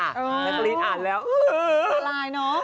นักฤทธิ์อ่านแล้วอื้อปลายเนอะ